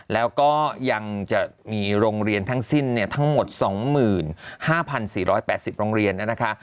แล้วก็ยังจะมีโรงเรียนทั้งสิ้นทั้งหมด๒๕๔๘๐โรงเรียนนะคะ